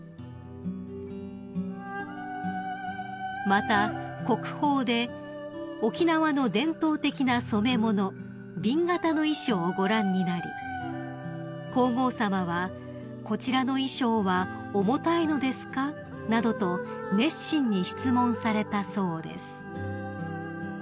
［また国宝で沖縄の伝統的な染め物紅型の衣装をご覧になり皇后さまは「こちらの衣装は重たいのですか？」などと熱心に質問されたそうです］